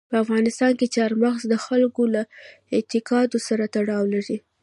په افغانستان کې چار مغز د خلکو له اعتقاداتو سره تړاو لري.